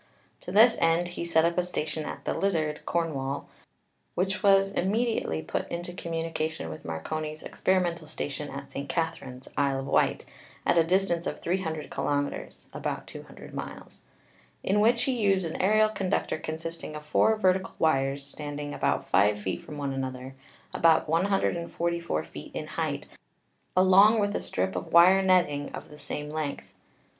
To this end he set up a station at the Lizard (Cornwall), which was immediately put into communication with Marconi's ex perimental station at St. Katherine's, Isle of Wight, at a distance of 300 kilometers (about 200 miles), in which he used an aerial conductor consisting of four vertical wires standing about 5 feet from one another, about 144 WIRELESS TELEGRAPHY 323 feet in height, along with a strip of wire netting of the same length.